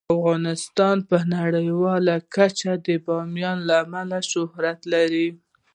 افغانستان په نړیواله کچه د بامیان له امله ډیر شهرت لري.